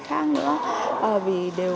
khác nữa vì đều